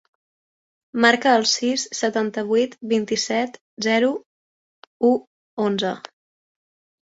Marca el sis, setanta-vuit, vint-i-set, zero, u, onze.